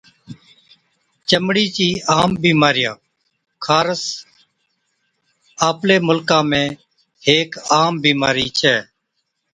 چمڙي چِيا عام بِيمارِيا، خارس Scabies خارس آپلي مُلڪا ۾ هيڪ عام بِيمارِي ڇَي